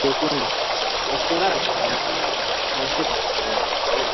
Gari lake ni jekundu.